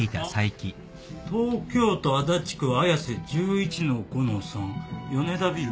東京都足立区綾瀬１１の５の３米田ビル。